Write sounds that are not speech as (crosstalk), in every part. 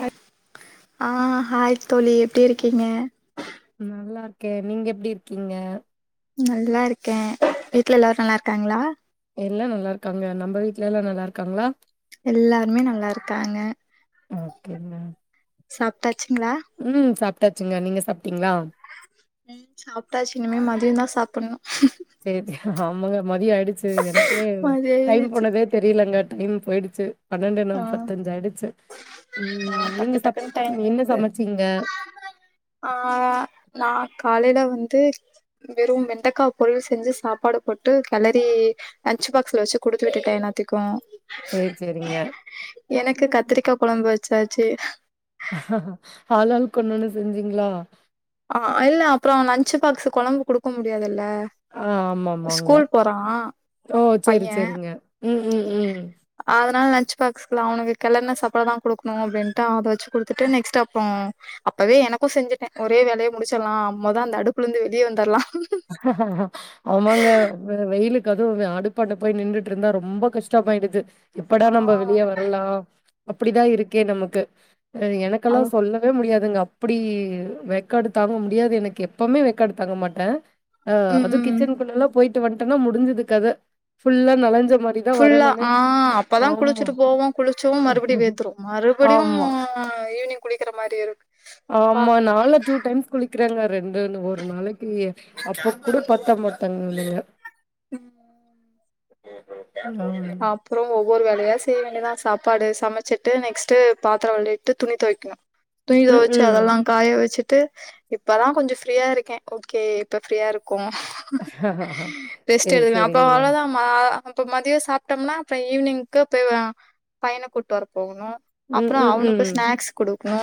அ அ ஹாய் தோழி எப்டி இருக்கீங்க ம் நல்லா இருக்கே நீங்க எப்டி இருக்கீங்க நல்லா இருக்க வீட்ல எல்லாரு நல்லா இருக்காங்களா எல்லா நல்லா இருக்காங்க நம்ப வீட்ல எல்லா நல்லா இருக்காங்களா எல்லாருமே நல்லா இருக்காங்க ஓகேங்க சாப்ட்டாச்சுங்களா ம் சாப்ட்டாச்சுங்க நீங்க சாப்ட்டீங்களா ம் சாப்ட்டாச்சு இனிமே மதியோ தா சாப்புடணு சேரி ஆமாங்க மதியோ ஆயிடுச்சு எனக்கே மதிய டைம் ஆயிடுச்சு. போனதே தெரிலங்க டைம் போயிடுச்சு பன்னெண்டு ஆ நாப்பத்தஞ்சு ஆயிடுச்சு ஆ ம் நீங்க டக்கு சாப் டக்குன்னு டைம் என்ன வருது. சமச்சீங்க ஆ நா காலையில வந்து வெறு வெண்டக்கா பொரியல் செஞ்சு சாப்பாடு போட்டு கெளரீ லன்ச்சு பாக்ஸ்ல வச்சு குடுத்து விட்டுட்டே எல்லாத்திக்கு செரிங்க எனக்கு கத்திரிக்கா கொழம்பு வெச்சாச்சு ஆலாலுக் ஒன்னு ஒன்னு செஞ்சீங்களா ஆ இல்ல அப்பறோ லஞ்ச்சு பாக்ஸு கொழம்பு குடுக்க முடியாதுல்ல ஆ ஆமாமாங்க ஸ்கூல் போறா பைய க ம் ம் ம் (unintelligible) அதனால லன்ச் பாக்ஸ்கலா அவனுக்கு கெலருண்ண சாப்பாடு தா குடுக்கணு அப்டின்ட்டு அத வெச்சு குடுத்துட்டு நெக்ஸ்ட் அப்பறோ அப்பவே எனக்கு செஞ்சுட்ட ஒரே வேலயா முடிச்சிடலா மொத அந்த அடுப்புல இருந்து வெளிய வந்தர்லா (unintelligible) ஆமாங்க வெ வெயிலுக்கு அதுவு அடுப்பான்ட போய் நின்னுட்டு இருந்தா ரொம்ப கஷ்டமாயிடுது ஆ எப்படா நம்ப வெளிய வரலா அப்படிதா இருக்கே நமக்கு எனக்கெல்லா அது சொல்ல வே முடியாதுங்க அப்படி வேக்காடு தாங்க முடியாது எனக்கு எப்பவுமே வேக்காடு தாங்க மாட்ட அ ம் அது ம் கிச்சனுக்குள்ளல்லா போயிட்டு வந்ட்டனா முடிஞ்சுது கத ஃபுல்லா நலஞ்ச மாரி தான் ஃபுல்லா வரணுமே. ஆ அப்பதா ஆமா, குளிச்சுட்டு போவோ குளிச்சவு மறுபடியு வேத்துரு மறுபடியூ ஆமா, ஈவினிங் குளிக்கற மாரி இருக்கு ப்பா ஆமா நானு டூ டைம்ஸ் குளிக்கறாங்க ரெண்டுன்னு ஒரு நாளைக்கு அப்ப கூட பத்த மாட்டேங்குதுங்க ம் ஹலோ அப்றோ ஒவ்வொரு வேலயா செய்ய வேண்டியதா சாப்பாடு சமச்சிட்டு நெக்ஸ்டு பாத்ரோ வெளக்கிட்டு துணி தொவை (unintelligible) துணி ம், தொவச்சு ம். அதலா காய வச்சுட்டு இப்பதா கொஞ்சோ ஃப்ரீயா இருக்கே ஓக்கே இப்ப ஃப்ரீயா இருக்கோ ரெஸ்ட் சேரி எடுக்கலா அப்ப சேரிங்க அவ்ளோதா ம அப்ப மதியோ சாப்ட்டோம்னா அப்பறோ ஈவினிங்க்கு போய் பையன கூட்டு வர போணு ம், அப்றோ ம், அவுனுக்கு ம். ஸ்நாக்ஸ் குடுக் குணு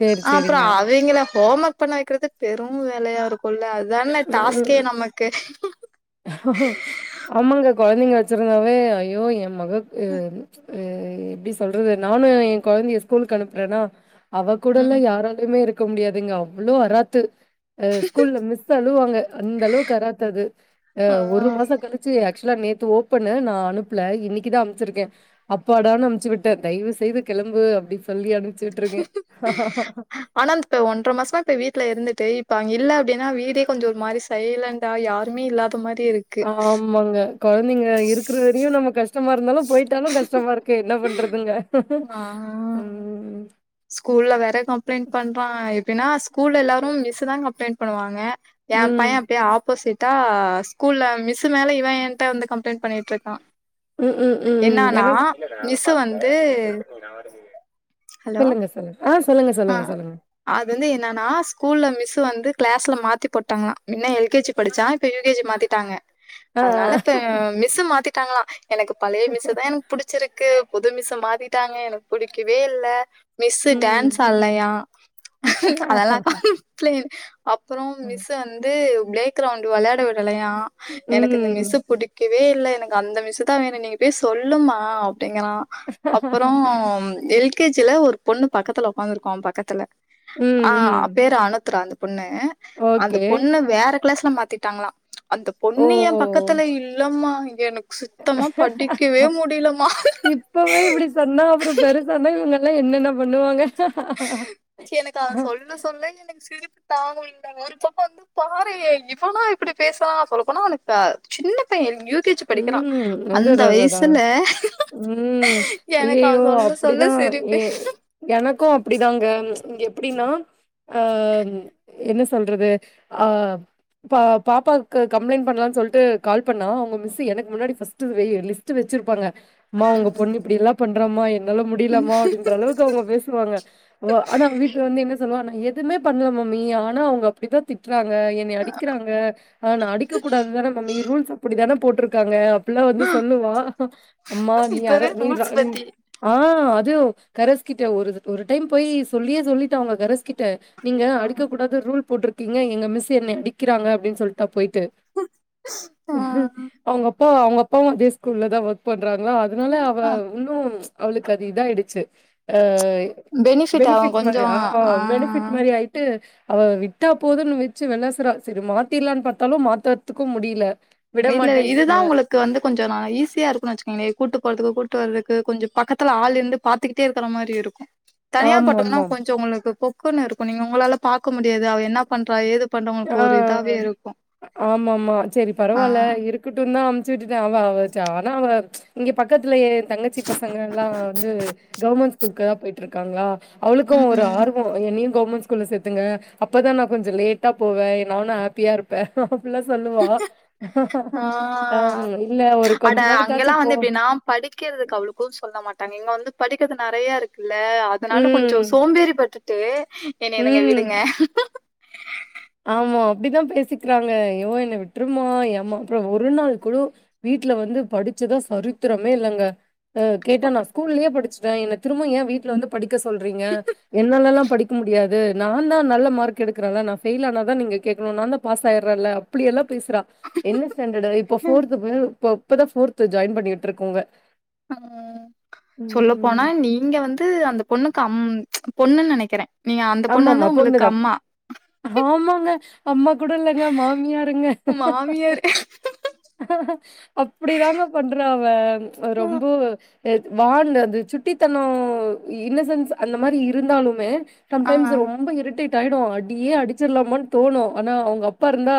சரி, அப்றோ சரிங்க. அவுய்ங்கள ஹோம் ஒர்க் பண்ண வக்கறது பெரு வேலயா இருக்கும்ல அது அதான ம், டாஸ்க்கே நமக்கு ம். ஆமாங்க கொழந்தங்க வச்சிருந்தாவே ஐயோ எ மகக்கு எ எப்டி சொல்றது நானு என் கொழந்தைய ஸ்கூலுக்கு அனுப்புறேன்னா அவ கூட எல்லா ம் யாராலயுமே இருக்க முடியாதுங்க அவ்ளோ அராத்து அ ஸ்கூல்ல மிஸ் ஸு அழுவாங்க அந்த அளவுக்கு அராத்தது ஆ ஒரு மாச கழிச்சு ஆக்சுவலா நேத்து ஓப்பன்னு நா அனுப்புல இன்னக்குதா அனுப்ச்சிருக்கே அப்பாடான்னு அனுப்ச்சு விட்டே தயவு செய்து கெளம்பு அப்டின்னு சொல்லி அனுப்பிச்சு விட்டுருக்கே ஆனா இப்ப ஒன்றர மாசமா இப்ப வீட்ல இருந்துட்டு இப்ப அவய்ங்க இல்ல அப்டின்னா வீடே கொஞ்சோ ஒரு மாரி சைலன் ட்டா யாருமே இல்லாத மாரியே இருக் ஆமாங்க கொழந்தங்க இருக்கற வரையு நம்ம கஷ் டமா இருந்தாலு போயிட்டாலு கஷ்டமா இருக்கே என்ன பண்றதுங்க ஆ ம் ஸ்கூல்ல வேற கம்ப்ளைண்ட் பண்றான் எப்டினா ஸ்கூல்ல எல்லாரு மிஸ்ஸு தா கம்ப்ளைண்ட் பண்ணுவாங்க எ பைய ம். அப்டியே ஆப்போசிட்டா ஸ்கூல்ல மிஸ்ஸு மேல இவன் என்கிட்ட வந்து கம்ப்ளைண்ட் பண்ணிட்டுருக்கா ம் ம் ம் ம் எனக் மிஸ் வந்து ஹலோ சொல்லுங்க சொல்லுங்க ஆ சொல்லுங்க ஆ சொல்லுங்க சொல்லுங்க அது வந்து என்னன்னா ஸ்கூல்ல மிஸ்ஸு வந்து கிளாஸ்ல மாத்தி போட்டாங்களா மின்ன எல் கே ஜி படிச்சான் இப்ப யு கே ஜி மாத்திட்டாங்க ஆ. அதனால இப்ப மிஸ்ஸு மாத்திட்டாங்களா எனக்கு பழய மிஸ்ஸ தா எனக்கு புடிச்சிருக்கு புது மிஸ்ஸ மாத்திட்டாங்க எனக்கு புடிக்கவேல்ல மிஸ்ஸு டான்ஸ் ம். ஆல்லையா அதெல்லா கம்ப்ளைன் அப்றோ ம். மிஸ்ஸு வந்து பிளே கிரவுண்ட் வெளையாட விடலையா எனக்கு இந்த மிஸ்ஸு ம். புடிக் கவேல்ல எனக்கு அந்த மிஸ்ஸுதா வேணு நீங்க போய் சொல்லுமா அப்டிங்கறா அப்பறோ எல் கே ஜி ல ஒரு பொண்ணு பக்கத்துல உக்காந்துருக்கு அவ பக்கத்துல ம். ஆ ம். பேரு அனுத்ரா அந்த பொண்ணு அந்த ஓகே. பொண்ண வேற கிளாஸ்ல மாத்திட்டாங்களா அந்த ஓ! பொண்னு எ பக்கத்துல இல்லமா இங்க எனக்கு சுத் இப்பவே இப்டி சொன்னா அப்றோ பெரு சான்னா இவங்கல்லா என்னென்ன பண்ணுவாங்க எனக்கு அவ சொல்ல சொல்ல எனக்கு சிரிப்பு தாங்க (unintelligible) ஒரு பக்கோ வந்து பாரேன் இவனா இப்டி பேசரா சொல்ல போனா அவுனுக்க சின்ன பைய யூ கே ஜி படிக்கிறா ம். அதான் அந்த அதான் அதான். வயசுல ம். எனக்கு அவ சொல்ல சொல்ல சிரிப்பே எனக்கு அப்டிதாங்க இங்க எப்டின்னா ஆ என்ன சொல்றது ஆ பா பாப்பாக்கு கம்ப்ளைண்ட் பண்ணலானு சொல்ட்டு கால் பண்ணா அவுங்க மிஸ் ஸு எனக்கு முன்னாடி ஃபஸ்ட் லிஸ்ட்டு வச்சிருப்பாங்க ம்மா உங்க பொண்ணு இப்டி எல்லா பண்றமா என் னால முடியில உம் ம்மா அப்டின்றளவுக் கு அவுங்க பேசுவாங்க ஆனா வீட்டு வந்து என்ன சொல்லுவா நா எதுவுமே பண்ல மம்மி ஆனா அவுங்க அப்டிதா திட்டுறாங்க என்னைய அடிக்கிறாங்க ஆ நா அடிக்கக் கூடாது தான மம்மி ரூல்ஸ் அப்டிதான போட்ருக்காங்க அப்பல்லா வந்து சொல்லுவா அம்மா நீ அற இப்பவே நீ ர ரூல்ஸ் நீ பத்தி. ஆ அது கரஸ் கிட்ட ஒரு ஒரு டைம் போய் சொல்லியே சொல்லிட்டோ அவங்க கரஸ் கிட்ட நீங்க அடிக்க கூடாது ரூல் போட்டிருக்கீங்க எங்க மிஸ் என்னை அடிக்கிறாங்க அப்படின்னு சொல்ட்டா போயிட் ஆ (inaudible) அப்பா அவங்க அப்பாவு அதே ஸ்கூல்ல தா ஒர்க் பண்றாங்க அதனால அவே ஆ இன்னு அவுளுக்கு அது இதாயிடுச்சு அ ஆகு பெனிஃபிட் கொஞ்சோ மாரி ஆ பெனிஃபிட் மாரி ஆயிட்டு அவ விட்டா போதுன் வச்சு வெலாசுறா சரி மாத்திலான்னு பாத்தாலு மாத்தர்த்துக்கு முடில இல்ல இதுதா உங்குளுக் க்கு வந்து கொஞ்சோ நா ஈஸியா இருக்குன் வச்சுக்கங்களே கூட்டு போறதுக்கு கூட்டு வரதுக்கு கொஞ்சோ பக்கத்துல ஆள் இந்து பாத்துக்கிட்டே இருக்குற மாரி இருக் (inaudible) தனியா போட்டம்னா ஆமாமா. கொஞ்சோ ஒங்குளுக்கு பொக்குன்னு இருக்கு நீங்க ஒங்களால பாக்க முடியாது அவே என்னா பண்றா ஏது பண்றா அ உங்களுக்கு ஒரு இதாவே இருக்கு ஆமாமா செரி ஆ பரவால்ல இருக் குட்டுன் தா அம்ச்சு விட்டுட்டே அவ அவ ச்ச ஆன அவ இங்க பக்கத்ல ஏ தங்கச்சி பசங்க எல்லா வந்து கவர்மெண்ட் ஸ்கூலுக்கு தா பெயிட்டு இருக்காங்ளா அவுளுக்கு ஒரு ம் ஆர்வோ வரு என்னையு கவர்மெண்ட் ஸ்கூல்ல சேத்துங்க அப்பதா நா கொஞ்சோ லேட் டா போவே ஏ நானு ஹாப்பியா இருப்பே அப்பிலா சொல்லுவா ஆ ஆ ம் இல்ல ஒரு கொஞ்ச நாளுக்காச்சு போ படிக்கறதுக்கு அவ்ளோக்கு சொல்ல மாட்டாங்க இங்க வந்து படிக்கறது நறையா இருக்குல்ல அதனால கொஞ்சோ ம், சோம்பேறி பட்டுட்டு என்னைய நீங்க ம். விடுங்க ஆமா அப்டிதா பேசிக்கிறாங்க யோ என்ன விட்ருமா ஏமா அப்றோ ஒரு நாள் கூடோ வீட்ல வந்து படிச்சதா சரித்திரமே இல்லங்க அ கேட்டா நா ஸ்கூல்லே படிச்சுட்டே என்ன திரும்ப ஏ வீட்ல வந்து படிக்க சொல்றீங்க என்னாலல்லா படிக்க முடியாது நா தா நல்ல மார்க் எடுக்கறன்ல நா ஃபெயிலனா தா நீங்க கேக்குனு நாந்தா பாஸ் ஆயிறல இப்டி எல்லா பேசுறா என்ன ஸ்டாண்டர்ட்டு இப்ப ஃபோர்த் போயி தா இப்பதா ஃபோர்த்து ஜாயின் பண்ணி உட்ருக்கோங்க ம் சொல்ல போனா நீங்க வந்து அந்த பொண்ணுக்கு அம் பொண்ணுன் நெனைக்கிறே ஆமா ஆமா பொண்ணுதா ஆமாங்க அம்மா கூட இல்லங்க மாமியாருங்க மாமியாரு அப்டிதாங்க பண்றா அவ அது ரொம்ப எத் வாண்டு அது சுட்டித்தனோ இன்னசன்ஸ் அந்த மாரி இருந்தாலுமே சம் ஆ. டைம்ஸ் ரொம்ப இரிட்டேட் ஆயிடு அடியே அடிச்சிர்லாமான் தோணு ஆனா அவங்க அப்பாருந்தா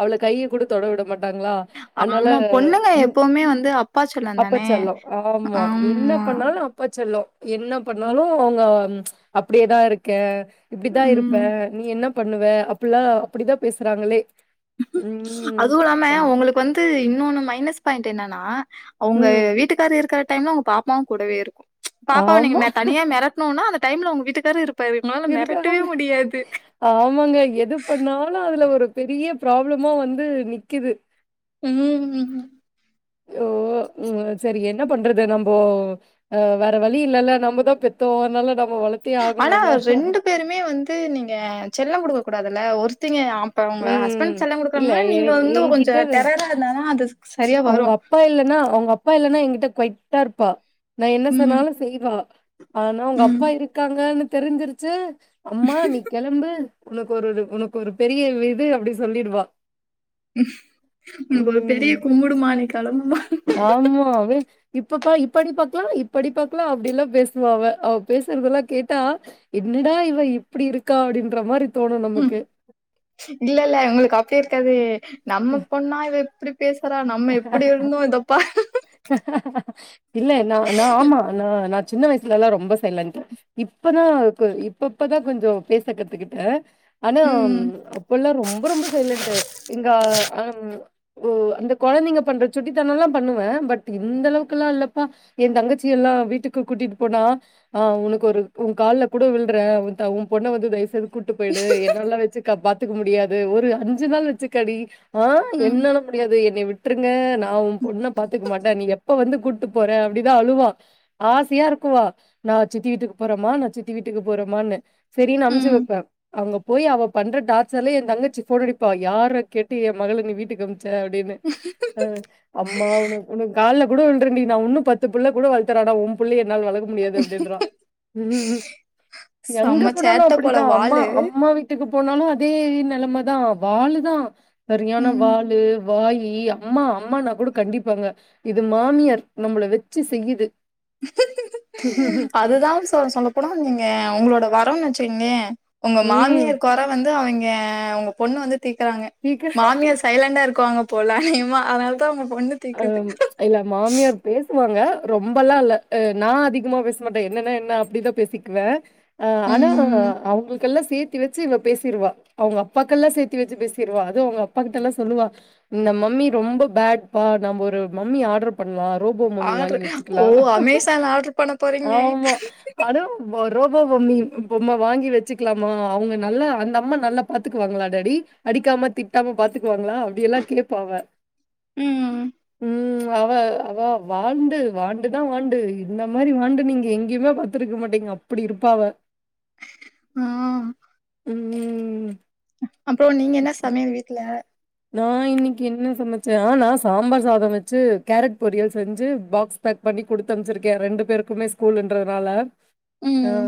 அவள கைய கூட தொட விட மாட்டாங்ளா அனால ஆமா. பொண்ணுங்க எப்பவுமே வந்து அப்பா செல்லம் அப்பா தானே! செல்லோ ஆமா என்ன பண்ணாலு அப்ப செல்லோ என்ன பண்ணாலு அவங்க அப்டியேதா இருக்கே இப்டிதா ம். இருப்பே நீ என்ன பண்ணுவ அப்புல்லா அப்டிதா பேசுறாங்களே ம். அதுவு இல்லாம ஒங்குளுக்கு வந்து இன்னொன்னு மைனஸ் பாயிண்ட் என்னன்னா அவுங்க ம். வீட்டுக்கார் இருக்குற டைம்ல உங்க பாப்பாவு கூடவே இருக்கு பாப்பாவ ஆமா. நீங்க தனியா மெரட் னோனா அந்த டைம்ல உங்க வீட்டுக்காரு இருப்பாரு உங்ளால மெரட்டவே இருக்காங்க முடியாது ஆமாங்க எது பண்ணாலு அதுல ஒரு பெரிய ப்ராப்ளமா வந்து நிக்குது ம் ஓ உ சரி என்ன பண்றது நம்போ அ வேற வழி இல்லல்ல நம்பதா பெத்தோ அதனால நம்ப வள ஆனா ரெண்டு பேருமே வந்து நீங்க செல்லோ குடுக்க கூடாதுல்ல ஒருத்திங்க இப்ப உங்க ம். ஹஸ்பண்ட் செல்ல இல்ல குடுக்குகனும்னா எ நீங்க வந்து கொஞ்சோ டெரரா இருந்தா அது சரியா அவுங்க வரும். அப்பா இல்லன்னா அவுங்க அப்பா இல்லன்னா என்கிட்ட கொய்டா இருப்பா நா என்ன ம், சொன்னாலு செய்வா ஆனா அவுங்க ம். அப்பா இருக்காங்கன்னு தெரிஞ்சிருச்சு அம்மா நீ கெளம்பு உனக்கு ஒரு உனக்கு ஒரு பெரிய இது அப்டி சொல்லிடுவா உனக்கு ஒரு பெரிய கும்புடுமா நீ கெளம்பமா ஆமாவே இப்ப பா இப்படி பாக்கலா இப்படி பாக்கலா அப்டில்லா பேசுவ அவ அவ பேசுறதெல்லா கேட்டா என்னடா இவ இப்டி இருக்கா அப்டின்ற மாரி தோணு ம். நமக்கு இல்ல இல்ல இவுங்களுக்கு அப்டியே இருக்காது நம்ம பொண்ணா இவ இப்டி பேசுறா நம்ம எப்புடி இருந்தோ இதப்ப இல்ல இல்ல லோ இல்லோ ஆமா நா சின்ன வயசுல எல்லா ரொம்ப சைலன்ட்டு இப்பதா இப்ப இப்ப இப்ப தா கொஞ்சோ பேச கத்துக்கிட்ட ஆனா ம் அப்பல்லா ரொம்ப ரொம்ப சைலன்ட் இங்க அ ம் உ இந்த கொழந்தைங்க பண்ற சுட்டித்தனம்லா பண்ணுவே பட் இந்தளவுக்குல்லா இல்லப்பா எயா தங்கச்சி எல்லா வீட்டுக்கு கூட்டிட்டு போனா ஆ உனக்கு ஒரு உன் கால்ல கூட வில்றே உன் பொண்ண வந்து தயவுசேது கூட்டு போயிடு என்னால்லா வெச்சு பாத்துக்க முடியாது ஒரு அஞ்சு நாள் வெச்சுக்கடி ஆ ம், என்னால முடியாது என்ன விட் பத்துருங்க நா உன் பொண்ண பாத்துக்க மாட்டே நீ எப்ப வந்து கூப்புட்டு போற அப்டிதா அழுவா ஆசையா இருக்குவா நா சித்தி வீட்டுக்கு போறேமா நான் சித்தி வீட்டுக்கு போறேமான்னு சேரினு அமுஞ்சு ம். வெப்பே அங்க போயி அவ பண்ற டார்ச்சர்ல எந் தங்கச்சி ஃபோன் அடிப்பா யார கேட்டு என் மகள நீ வீட்டு அம்ச அப்டின்னு அ அம்மா உனக்கு உனக்கு கால்ல கூட விழுறே டி நா உன்னு பத்து புள்ளைய கூடோ வளத்துட்றே ஆனா உன் புள்ளைய என்னால வளக்க முடியாது அப்டின்றா ம் எங்க செம்ம போனாலு சேட்ட போல அப்டிதா அம்மா வாலு. அம்மா வீ வீட்டுக்கு போனாலு அதே நெலமதா வாளு தா செரியான ம். வாளு வாயி யி அம்மா அம்மான்னா கூடோ கண்டிப்பாங்க இது மாமியார் நம்மள வெச்சு செய்யுது அதுதா சொ சொ சொல்லப்போனா நீங்க உங்களோட வரம்னு வெச்சிக்கங்க உங்க ம் மாமியார் கொற வந்து அவிங்க உங்க பொண்ணு வந்து தீக்குறாங்க சீக்கிர மாமியார் சைலண்டா இருக்குவாங்க போல அனேகமா அதனால தா உங்க பொண்ணு தீக்குது ம் இல்ல மாமியார் பேசுவாங்க ரொம்பல்லா இல்ல அ நா அதிகமா பேசமாட்ட என்னன்ன என்ன அப்டிதா பேசிக்குவே ஆ ஆனா ம் அவுங்களுக்கெல்லா சேத் சேத்தி வெச்சு இவ பேசிறுவா அவுங்க அப்பாக்கெல்லா சேத்தி வெச்சு பேசிறுவா அதுவு அவுங்க அப்பாட்டெல்லா சொல்லுவா இந்த மம்மி ரொம்ப பேட் பா நம்ப ஒரு மம்மி ஆட் பண்னுவா ரோபோ மம்மி வாங்கி ஆர்டரு ஓ வெச்சுக்லா அமேசான்ல ஆர்டர் பண்ண போறீங்க ஆமா ஆனா நம்போ ரோபோ மம்மி பொம்ம வாங்கி வெச்சுக்கலாமா அவுங்க நல்லா அந்த அம்மா நல்லா பாத்துக்குவாங்ளா டேடி அடிக்காம திட்டாம பாத்துக்குவாங்ளா அப்டியெல்லா கேட்ப அவ ம் ம் அவ அவ வாண்டு வாண்டுதா வாண்டு இந்த மாரி வாண்டு நீங்க எங்கேயுமே பாத்திருக்க மாட்டீங்க அப்டி இருப்பா அவ ஆ ம் அப்றோ நீங்க என்ன சமையல் வீட்ல நா இன்னைக்கு என்ன சமைச்சே நா சாம்பார் சாதம் வச்சு கேரட் பொரியல் செஞ்சு பாக்ஸ் பேக் பண்ணி குடுத்து அனுப்சிருக்கே ரெண்டு பேருக்குமே ஸ்கூலுன்றனால ஆ ம்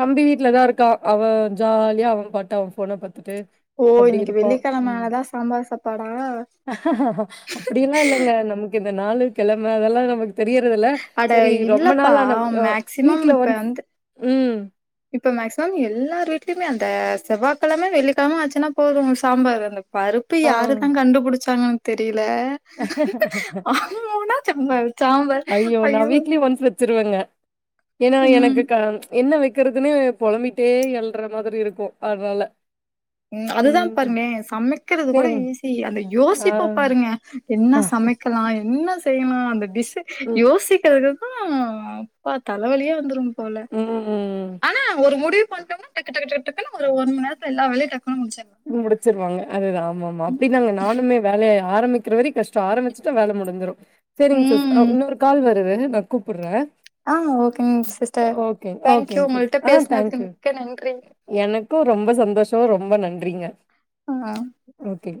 தம்பி வீட்ல தா இருக் க்கா அவ ஜாலியா அவன் பாட்டு அவ போனை பாத்துட்டு ஓ அப்டி இன்னைக்கு இருப்பா ம் வெள்ளிக்கெழமனாலதா சாம்பார் சாப்பாடா அப்படிலா இல்லைங்க நமக்கு இந்த நாளு கெழம அதெல்லா நமக் தெரியறதுல அட சரி ரொம்ப இல்லப்பா நாளா ஆன மேக்சிமம் வீக்ல இப்ப ஒன்ஸ் வந்து ம் இப்ப மேக்சிமம் எல்லார் வீட்லயுமே அந்த செவ்வாய்கிழம வெள்ளிகிழம ஆச்சுன்னா போது சாம்பார் அந்த பருப்பு ஆ. யாருதா கண்டுபிடிச்சாங்கன் தெரில ஆனா ஊனா சாம்பார் சாம்பார் அய்யோ திருவங்க ஏனா ம். எனக்கு கா என்ன வைக்கிறக்துன்னே பொளம்பிட்டே எழற மாதிரி இருக்கு அதனால ம் அதுதா பண்ணே சமைக்கிறது கூட சரிங்க. ஈஸி அந்த ஆ. யோசிப்ப பாருங்க என்ன ஆ. சமைக்கலா என்ன செய்யலா அந்த டிஷ் ம். யோசிக்கிறது ம் அப்பா தலவலியே வந்துரும் போல ம். ஆனா ஒரு முடிவு பண்ணிட்டோனா டக்கு டக்கு டக்கு டக்குனு ஒரு ஒரு மணி நேரத்துல எல்லா வேலையும டக்குனு முடிச்சிலா முடிச்சிருவாங்க அதுதா ஆமா ஆமா பின்ன நானுமே வேலையா ஆரம்பிக்கிற வரையு கஷ்ட ஆரம்பிச்சிட்டா வேல முடிஞ்சிரு சரிங்க சிஸ் ம். இன்னொரு கால் வருது நா கூப்புற ஆ ஓகேங்க சிஸ்டர் தேங்க்யூ ஓகேங்க உங்கள்ட்ட பேசுனதுக்கு மிக்க நன்றி எனக்கு ரொம்ப சந்தோஷோ ரொம்ப நன்றிங்க ஆ ஓகே